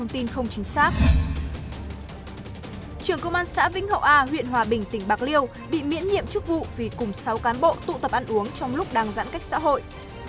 công an xã vĩnh hậu a huyện hòa bình tỉnh bạc liêu bị miễn nhiệm chức vụ vì cùng sáu cán bộ tụ tập ăn uống trong lúc đang giãn cách xã hội